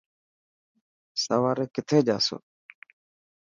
سواري ڪٿي جاسو.